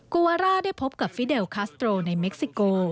วาร่าได้พบกับฟิเดลคัสโตรในเม็กซิโก